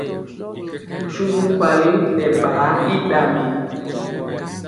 Suvu nkwali nɛ ɓaa i ɗambi.